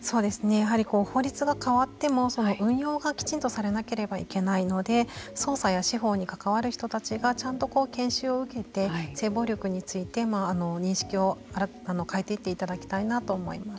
やはり法律が変わってもその運用がきちんとされなければいけないので捜査や司法に関わる人たちがちゃんと研修を受けて性暴力について認識を変えていっていただきたいなと思います。